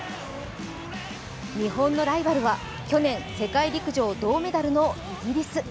日本のライバルは去年世界陸上銅メダルのイギリス。